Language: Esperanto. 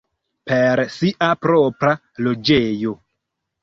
Per sia propra loĝejo.